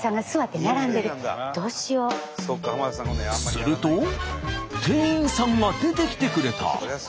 すると店員さんが出てきてくれた。